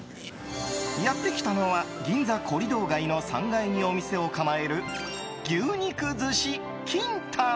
やってきたのは銀座コリドー街の３階にお店を構える牛肉寿司きんたん。